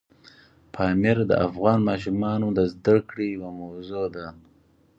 پامیر د افغان ماشومانو د زده کړې یوه موضوع ده.